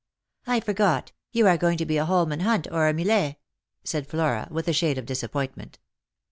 " I forgot; you are going to be a Holman Hunt or a Millais." said Flora, with a shade of disappointment.